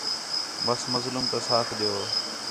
بس مظلوم تا ساتھ ݙیؤ